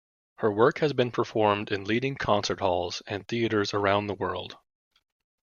Her work has been performed in leading concert halls and theatres around the world.